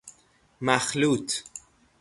مخلوط